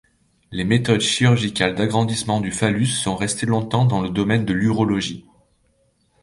Les méthodes chirurgicales d'agrandissement du phallus sont restées longtemps dans le domaine de l'urologie.